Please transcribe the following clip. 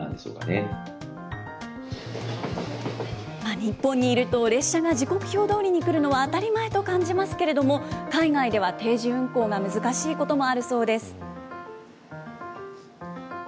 日本にいると、列車が時刻表どおりに来るのは当たり前と感じますけれども、海外では定時運行が難しいこともあるそうです。